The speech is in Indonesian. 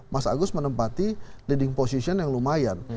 mas agus menempati leading position yang lumayan